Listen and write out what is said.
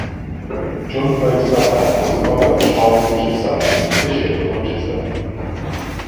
John Bird Sumner was a brother of Charles Richard Sumner, bishop of Winchester.